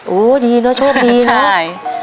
โหดีเนอะชอบดีเนอะ